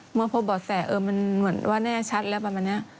เมื่อพบบ่อแสเออมันเหมือนว่าแน่ชัดแล้วประมาณนี้